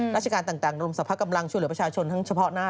ราชการต่างรวมสรรพกำลังช่วยเหลือประชาชนทั้งเฉพาะหน้า